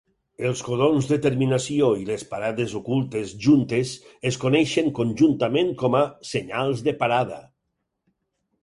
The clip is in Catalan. Els codons de terminació i les parades ocultes juntes es coneixen conjuntament com a senyals de parada.